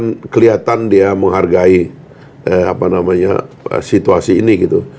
dan kelihatan dia menghargai situasi ini gitu